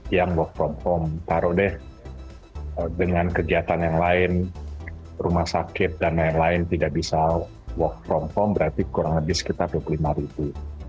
yang wfh taruh deh dengan kegiatan yang lain rumah sakit dan lain lain tidak bisa wfh berarti kurang lebih sekitar dua puluh lima ribu